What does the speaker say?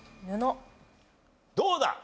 どうだ？